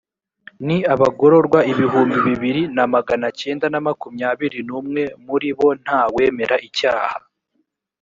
ni abagororwa ibihumbi bibiri na magana cyenda na makumyabiri n’umwe muri bo nta wemera icyaha